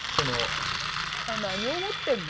何を持ってんの。